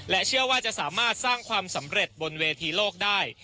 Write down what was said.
เชื่อว่าจะสามารถสร้างความสำเร็จบนเวทีโลกได้